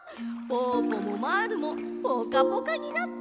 ぽぅぽもまぁるもぽかぽかになった。